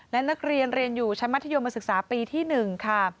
และนักเรียนเรียนอยู่ชั้นมัธยมศึกษาปีที่๑ค่ะ